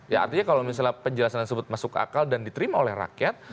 ya artinya kalau misalnya penjelasan tersebut masuk akal dan diterima oleh rakyat